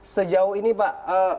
sejauh ini pak